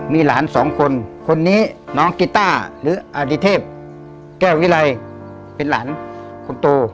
มีหลานสองคนคนนี้น้องกีต้าหรืออดิเทพแก้ววิไลเป็นหลานคนโต